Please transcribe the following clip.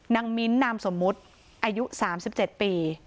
มิ้นนามสมมุติอายุ๓๗ปี